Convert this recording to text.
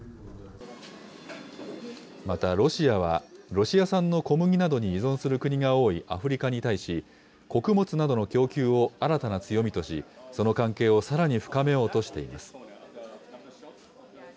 また、ロシアは、ロシア産の小麦などに依存する国が多いアフリカに対し、穀物などの供給を新たな強みとし、その関係をさらに深めようとしています。